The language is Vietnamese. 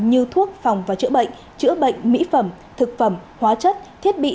như thuốc phòng và chữa bệnh chữa bệnh mỹ phẩm thực phẩm hóa chất thiết bị